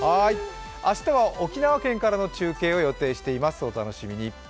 明日は沖縄県からの中継を予定しています。